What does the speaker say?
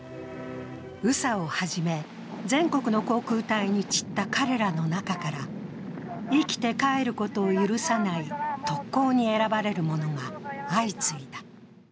宇佐をはじめ、全国の航空隊に散った彼らの中から生きて帰ることを許さない特攻に選ばれる者が相次いだ。